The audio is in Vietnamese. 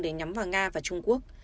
để nhắm vào nga và trung quốc